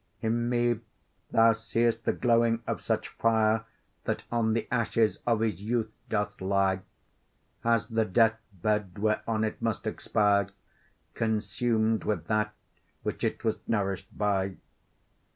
In me thou see'st the glowing of such fire, That on the ashes of his youth doth lie, As the death bed, whereon it must expire, Consum'd with that which it was nourish'd by.